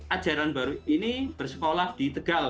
ajaran baru ini bersekolah di tegal